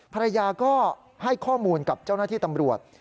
ภรรยาก็ให้ข้อมูลกับเจ้าหน้าที่ตำรวจ